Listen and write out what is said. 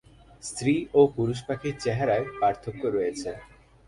স্ত্রী ও পুরুষ পাখির চেহারায় পার্থক্য রয়েছে।